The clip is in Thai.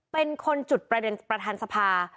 เป็นคนจุดประเด็นประธานสภา